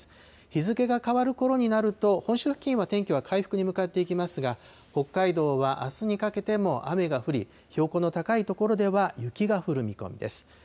日付が変わるころになると、本州付近は天気は回復に向かっていきますが、北海道はあすにかけても雨が降り、標高の高い所では雪が降る見込みです。